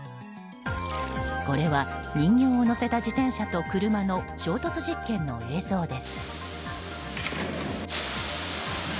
これは人形を乗せた自転車と車の衝突実験の映像です。